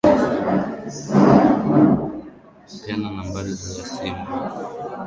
Peana nambari ya simu.